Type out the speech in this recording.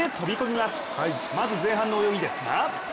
まず前半の泳ぎですが。